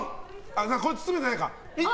これは包めてない。